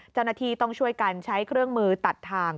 เจ้าหน้าที่ต้องช่วยกันใช้เครื่องมือตัดทาง